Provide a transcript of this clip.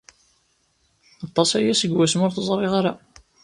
Aṭas aya seg wasmi ur t-ẓriɣ ara.